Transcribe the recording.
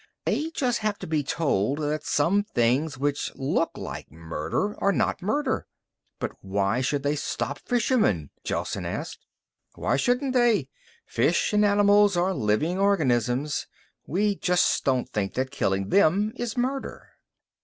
They just have to be told that some things which look like murder are not murder." "But why should they stop fisherman?" Gelsen asked. "Why shouldn't they? Fish and animals are living organisms. We just don't think that killing them is murder."